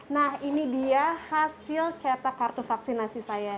nah ini dia hasil cetak kartu vaksinasi saya